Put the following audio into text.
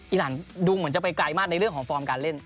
อหลังดูเหมือนจะไปไกลมากในเรื่องของฟอร์มการเล่น